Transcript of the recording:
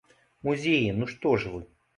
Музеі, ну што ж вы!